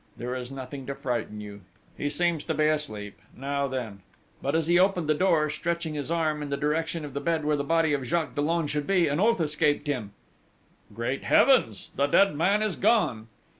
There is nothing to frighten you ... he seems to be asleep.... Now then!" But as he opened the door, stretching his arm in the direction of the bed where the body of Jacques Dollon should be, an oath escaped him: "Great Heavens! The dead man is gone!"